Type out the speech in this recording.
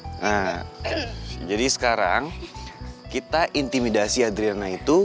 nah jadi sekarang kita intimidasi adriana itu